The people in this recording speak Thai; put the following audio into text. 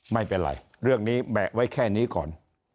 ไม่เป็นไรเรื่องนี้แบะไว้แค่นี้ก่อน